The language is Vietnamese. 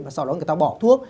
và sau đó người ta bỏ thuốc